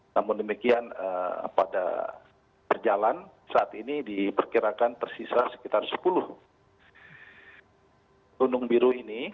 namun demikian pada perjalanan saat ini diperkirakan tersisa sekitar sepuluh gunung biru ini